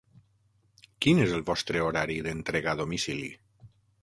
Quin és el vostre horari d'entrega a domicili?